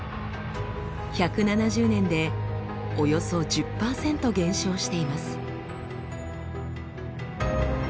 １７０年でおよそ１０％減少しています。